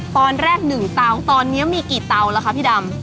ตอนแรก๑เตาตอนนี้มีกี่เตาแล้วคะพี่ดำ